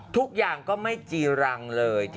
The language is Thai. ทุกอย่างก็ไม่จีรังเลย